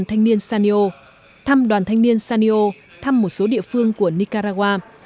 thăm đoàn thanh niên sandio thăm một số địa phương của nicaragua